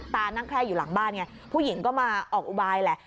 นั่งแคร่อยู่หลังบ้านไงผู้หญิงก็มาออกอุบายแหละ